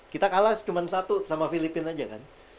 kita kalah cuma satu sama filipina aja kan